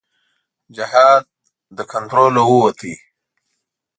جهاد له کنټروله ووت.